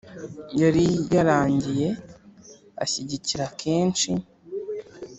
yari yarangiye ashyigikira kenshi